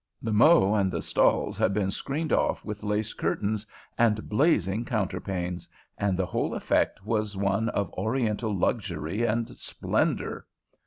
The mow and the stalls had been screened off with lace curtains and blazing counterpanes, and the whole effect was one of Oriental luxury and splendor.